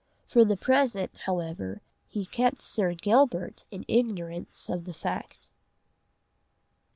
For the present, however, he kept Sir Gilbert in ignorance of the fact.